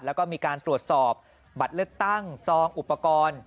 แล้วก็มีการตรวจสอบบัตรเลือกตั้งซองอุปกรณ์